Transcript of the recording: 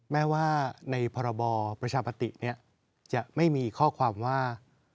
แม้ว่าในพรบประชาปติจะไม่มีข้อความว่า